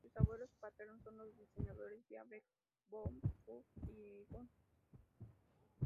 Sus abuelos paternos son los diseñadores Diane von Fürstenberg y Egon von Fürstenberg.